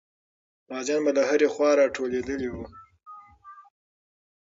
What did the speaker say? غازیان به له هرې خوا راټولېدلې وو.